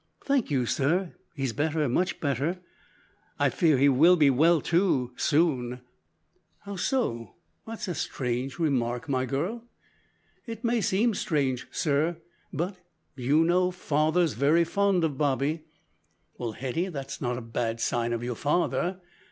"Thank you, sir, he's better; much better. I fear he will be well too soon." "How so? That's a strange remark, my girl." "It may seem strange, sir, but you know father's very fond of Bobby." "Well, Hetty, that's not a bad sign of your father."